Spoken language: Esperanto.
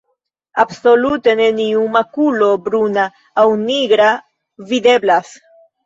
Absolute neniu makulo bruna aŭ nigra videblas.